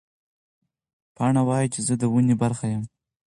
پاڼه وایي چې زه د ونې برخه یم.